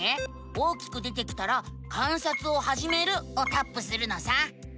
大きく出てきたら「観察をはじめる」をタップするのさ！